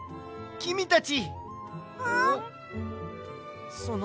きみたち。